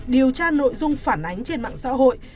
điều tra nội dung phản ánh trên mạng xã hội